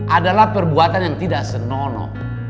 adalah perbuatan yang tidak senonoh